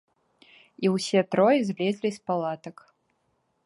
І ўсе трое злезлі з палатак.